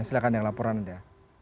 silahkan yang laporan anda